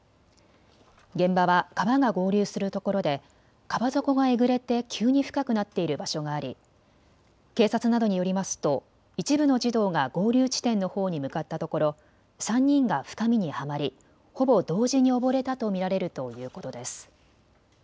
現場は川が合流するところで川底がえぐれて急に深くなっている場所があり警察などによりますと一部の児童が合流地点のほうに向かったところ、３人が深みにはまりほぼ同時に溺れたと見られるということです。